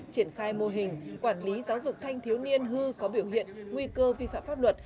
triển khai mô hình quản lý giáo dục thanh thiếu niên hư có biểu hiện nguy cơ vi phạm pháp luật